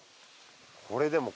これでも。